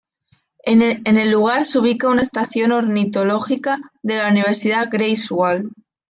En el lugar se ubica una estación ornitológica de la Universidad de Greifswald.